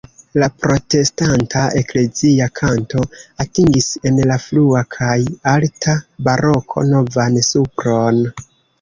La protestanta eklezia kanto atingis en la frua kaj alta baroko novan supron.